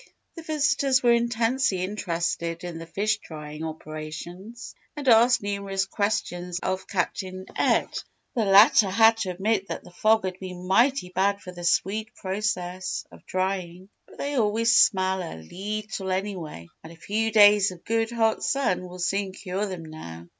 The visitors were intensely interested in the fish drying operations and asked numerous questions of Captain Ed. The latter had to admit that the fog had been mighty bad for the "sweet" process of drying. "But they always smell a leetle anyway, and a few days of good hot sun will soon cure them now."